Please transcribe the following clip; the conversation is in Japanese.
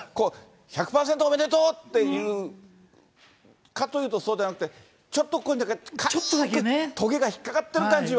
１００％おめでとうっていうかというと、そうではなくて、ちょっとここに軽くとげが引っ掛かってる感じは。